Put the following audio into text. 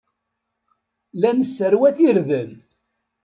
La nesserwat irden.